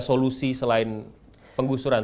solusi selain penggusuran